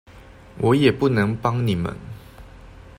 我也不能幫你們